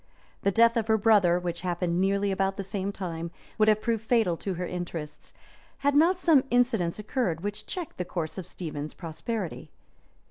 The death of her brother, which happened nearly about the same time, would have proved fatal to her interests, hail not some incidents occurred which checked the course of Stephen's prosperity.